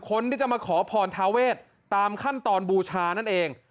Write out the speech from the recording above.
คนที่จะมาขอพรทาเวทตามขั้นตอนบูชานั่นเอง